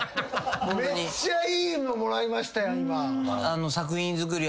めっちゃいいのもらいましたやん今。